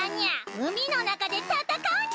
うみのなかでたたかうにゃ！